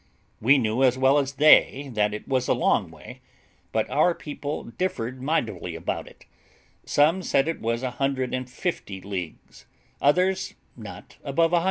We knew as well as they that it was a long way, but our people differed mightily about it; some said it was 150 leagues, others not above 100.